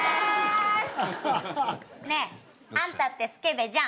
ねえあんたってスケベじゃん。